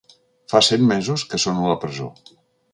Fa set mesos que són a la presó.